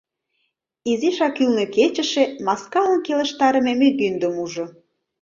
Изишак ӱлнӧ кечыше маскалан келыштарыме мӱгиндым ужо.